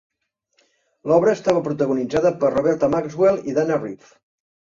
L'obra estava protagonitzada per Roberta Maxwell i Dana Reeve.